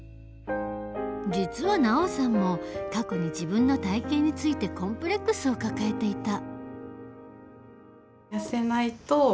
実はＮＡＯさんも過去に自分の体型についてコンプレックスを抱えていた。